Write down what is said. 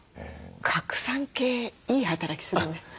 核酸系いい働きするね。